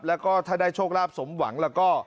แล้วก็ถ้าได้โชคลาภสมหวังแล้วก็